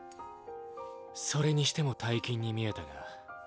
それにしても大金に見えたが。